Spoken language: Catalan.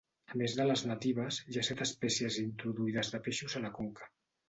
A més de les natives, hi ha set espècies introduïdes de peixos a la conca.